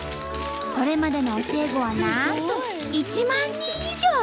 これまでの教え子はなんと１万人以上！